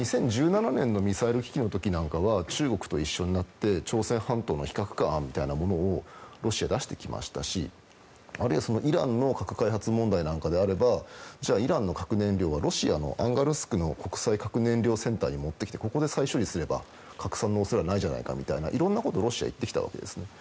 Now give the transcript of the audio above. ２０１７年のミサイル危機の時なんかは中国と一緒になって朝鮮半島の非核化案みたいなものをロシア、出してきましたしあるいはイランの核開発問題なんかであればじゃあイランの核燃料はロシアの国際核燃料センターに持ってきてここで再処理すれば拡散の恐れはないじゃないかみたいな、いろんなことをロシアは言ってきたわけですね。